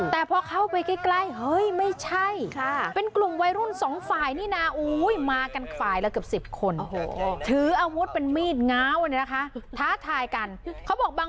แต่ไม่โดนตัวเค้าเองเค้าถ่ายคลิปไป